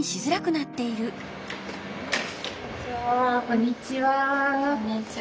こんにちは。